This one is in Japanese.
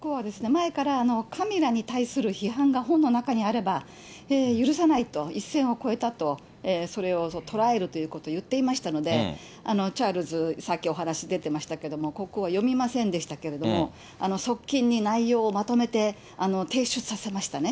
チャールズ国王は、前からカミラに対する批判が本の中にあれば、許さないと、一線を越えたと、それを捉えるということを言っていましたので、チャールズ、さっきお話出てましたけど、国王は読みませんでしたけれども、側近に内容をまとめて提出させましたね。